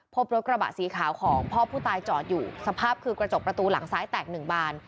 พบรถกระบะสีขาวของพ่อผู้ตายจอดอยู่สภาพคือกระจกประตูหลังซ้ายแตกหนึ่งบาน